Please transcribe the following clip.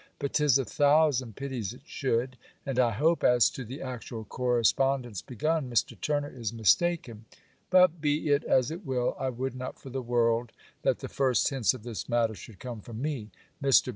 But 'tis a thousand pities it should. And I hope, as to the actual correspondence begun, Mr. Turner is mistaken. But be it as it will, I would not for the world, that the first hints of this matter should come from me. Mr.